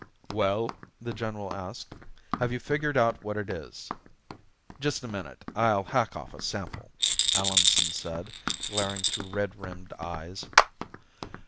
"Well," the general asked, "have you figured out what it is?" "Just a minute, I'll hack off a sample," Allenson said, glaring through red rimmed eyes.